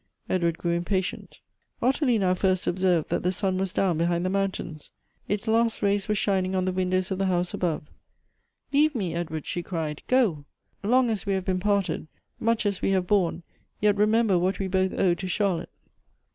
Ed ward grew impatient. Ottilie now first observed that the sun was down be hind the mountains ; its last rays were shining on the windows of the house above. " Leave me, Edward," she cried ;" go. Long as we have been parted, much as we have borne, yet remember what we both owe to Charlotte.